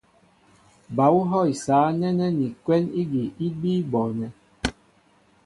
Ba ú hɔ̂ isǎ nɛ́nɛ́ ni kwɛ́n ígi í bíí bɔɔnɛ́.